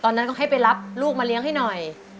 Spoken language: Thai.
ตอนนั้นก็ให้ไปรับลูกมาเลี้ยงให้หน่อย